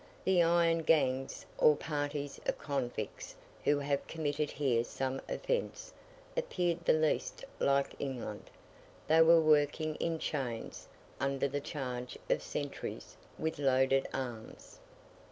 The iron gangs, or parties of convicts who have committed here some offense, appeared the least like England: they were working in chains, under the charge of sentries with loaded arms.